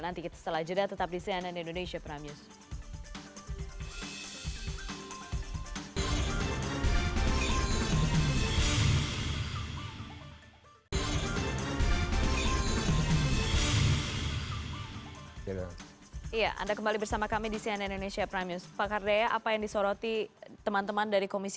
nanti kita setelah jeda tetap di cnn indonesia prime news